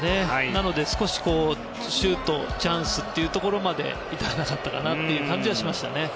なので少しシュート、チャンスというところまで至らなかったかなという感じはしましたね。